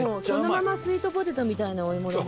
そのままスイートポテトみたいなお芋。